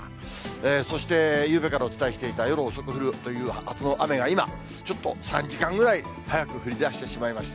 そして、夕べからお伝えしていた夜遅く降るというはずの雨が今、ちょっと３時間ぐらい早く降りだしてしまいました。